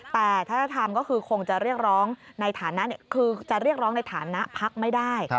แต่ถ้าทำก็คือคงจะเรียกร้องในฐานะพักไม่ได้